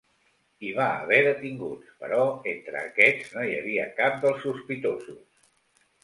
Hi va haver detinguts, però entre aquests no hi havia cap dels sospitosos.